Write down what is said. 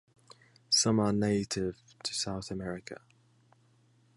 Some are native to South America.